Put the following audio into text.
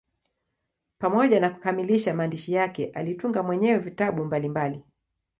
Pamoja na kukamilisha maandishi yake, alitunga mwenyewe vitabu mbalimbali.